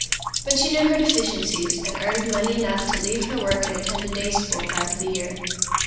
But she knew her deficiencies, and earned money enough to leave her work and attend a day school part of the year.